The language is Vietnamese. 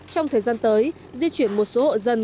trong thời gian tới di chuyển một số hộ dân